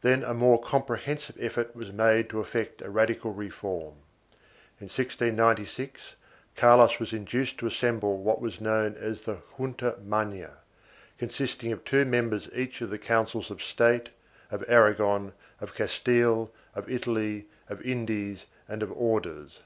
2 Then a more comprehensive effort was made to effect a radical reform. In 1696, Carlos was induced to assemble what was known as the Junta Magna, consisting of two members each of the Councils of State, of Aragon, of Castile, of Italy, of Indies and of Orders.